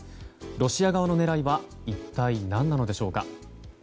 ロシア側の狙いは一体何なのでしょうか。